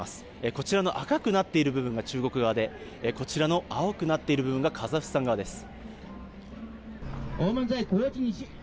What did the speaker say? こちらの赤くなっている部分が中国側でこちらの青くなっている部分がカザフスタン側です。